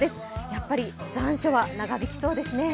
やっぱり残暑は長引きそうですね。